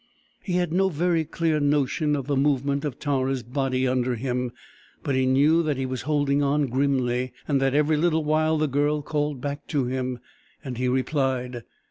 He had no very clear notion of the movement of Tara's body under him, but he knew that he was holding on grimly, and that every little while the Girl called back to him, and he replied.